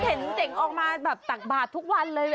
ก็เห็นเด็กออกมาตักบาดทุกวันเลย